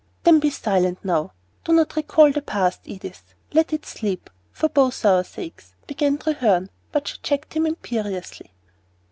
"Then be silent now. Do not recall the past, Edith; let it sleep, for both our sakes," began Treherne; but she checked him imperiously.